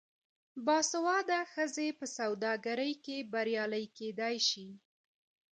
باسواده ښځې په سوداګرۍ کې بریالۍ کیدی شي.